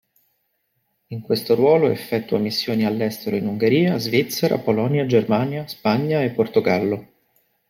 In questo ruolo effettua missioni all'estero in Ungheria, Svizzera, Polonia, Germania, Spagna e Portogallo.